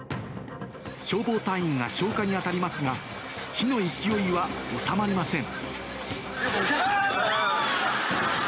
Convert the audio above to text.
消防隊員が消火に当たりますが、火の勢いは収まりません。